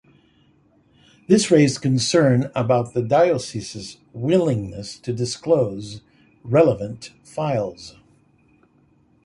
This raised concern about the diocese's willingness to disclose relevant files.